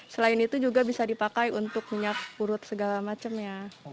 selain itu juga bisa dipakai untuk minyak urut segala macamnya